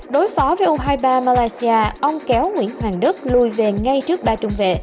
đối phó với u hai mươi ba malaysia ông kéo nguyễn hoàng đức lùi về ngay trước ba trung vệ